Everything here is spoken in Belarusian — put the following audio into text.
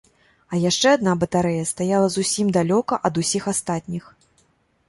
А яшчэ адна батарэя стаяла зусім далёка ад усіх астатніх.